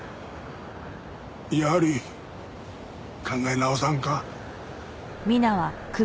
やはり考え直さんか？